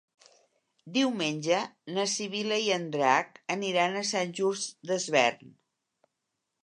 Diumenge na Sibil·la i en Drac aniran a Sant Just Desvern.